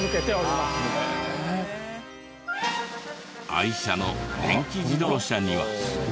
愛車の電気自動車には。